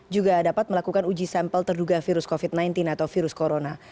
juga dapat melakukan uji sampel terduga virus covid sembilan belas atau virus corona